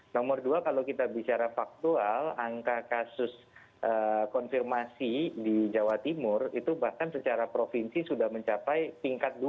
nomor dua kalau kita bicara faktual angka kasus konfirmasi di jawa timur itu bahkan secara provinsi sudah mencapai tingkat dua